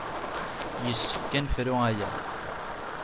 Yessefk ad nefru aya.